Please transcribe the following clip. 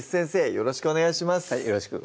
よろしくお願いします